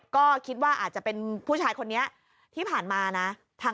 ก็คิดว่าอาจจะเป็นผู้ชายคนนี้ที่ผ่านมานะ